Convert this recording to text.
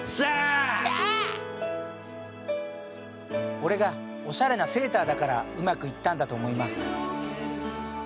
「俺がおしゃれなセーターだからうまくいったんだと思います。